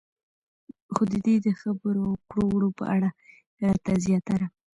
خو د دې د خبرو او کړو وړو په اړه راته زياتره